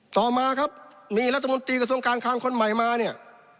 ต่อมาครับมีรัฐมนตรีกระทรวงการคลังคนใหม่มาเนี่ย